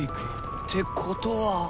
ってことは。